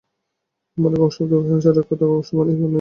আমরা এই বংশানুক্রমিক সঞ্চারের কতক অংশ মানিয়াও থাকি।